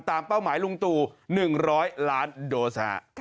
เป้าหมายลุงตู่๑๐๐ล้านโดส